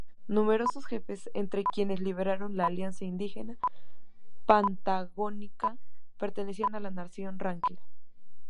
Numerosos jefes entre quienes liberaron la alianza indígena pan-patagónica pertenecían a la nación ranquel.